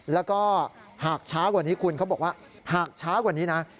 แล้วก็หากช้ากว่านี้คุณเขาบอกว่าหากช้ากว่านี้นะ